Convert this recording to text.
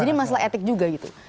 jadi masalah etik juga gitu